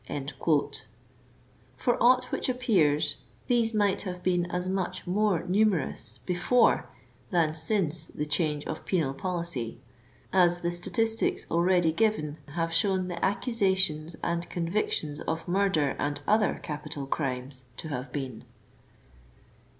^^ For aught which appears, these might have been as much more numerous before than since the change of penal policy, as the statistics already given have shown the accusations and convictions of murder and other capital crimes to have been.